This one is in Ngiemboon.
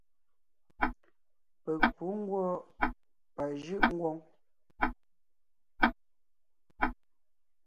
Peg pǔ ngwɔ́ pajʉʼ ngwóŋ.